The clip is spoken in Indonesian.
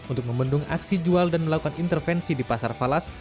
untuk membendung aksi jual dan melakukan intervensi di pasar falas